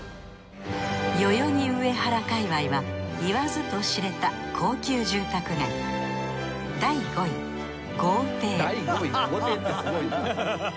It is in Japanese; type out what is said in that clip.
代々木上原界隈はいわずと知れた高級住宅街第５位豪邸ってすごいな。